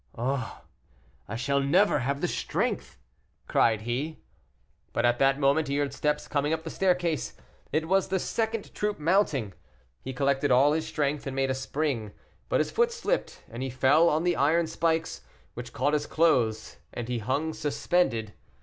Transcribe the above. "Oh, I shall never have the strength!" cried he. But at that moment he heard steps coming up the staircase; it was the second troop mounting. He collected all his strength, and made a spring; but his foot slipped, and he fell on the iron spikes, which caught his clothes, and he hung suspended.